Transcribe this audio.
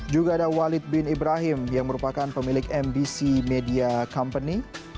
juga ada walid bin ibrahim yang merupakan pemilik mbc media company